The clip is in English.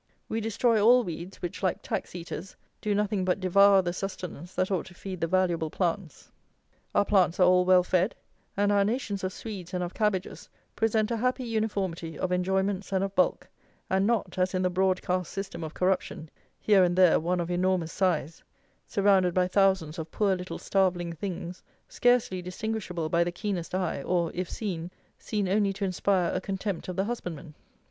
We destroy all weeds, which, like tax eaters, do nothing but devour the sustenance that ought to feed the valuable plants. Our plants are all well fed; and our nations of Swedes and of cabbages present a happy uniformity of enjoyments and of bulk, and not, as in the broad cast system of Corruption, here and there one of enormous size, surrounded by thousands of poor little starveling things, scarcely distinguishable by the keenest eye, or, if seen, seen only to inspire a contempt of the husbandman.